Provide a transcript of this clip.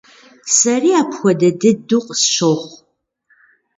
Сэри апхуэдэ дыду къысщохъу.